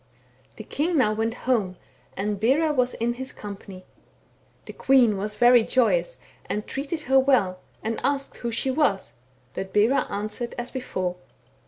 " The king now went home, and Bera was in his company. The queen was very joyous, and treated her well, and asked who she was ; but Bera answered as before.